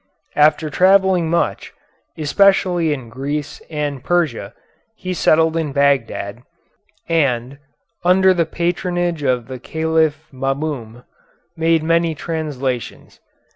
After travelling much, especially in Greece and Persia, he settled in Bagdad, and, under the patronage of the Caliph Mamum, made many translations.